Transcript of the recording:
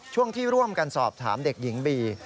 ช่วงที่ร่วมกันสอบถามเด็กหญิงบี